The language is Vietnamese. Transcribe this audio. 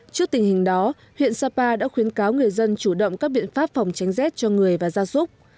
trước tình hình đó huyện sapa đã khuyến cáo người dân chủ động các biện pháp phòng tránh rét cho người và gia súc